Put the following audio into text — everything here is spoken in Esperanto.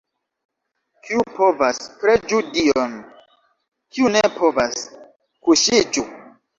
Kiu povas, preĝu Dion, kiu ne povas, kuŝiĝu!